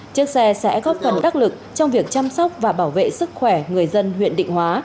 chiếc xe sẽ góp phần đắc lực trong việc chăm sóc và bảo vệ sức khỏe người dân huyện định hóa